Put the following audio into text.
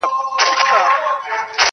لوستونکی ژور فکر ته ځي تل,